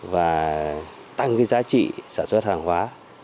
và tăng giá trị sản xuất hàng hóa